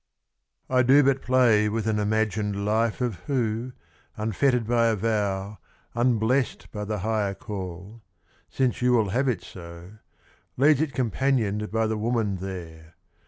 " I do but play with an imagined life Of who, unfettered by a vow, unblessed By the higher call, — since you will have it so, — Leads it companioned by the woman there.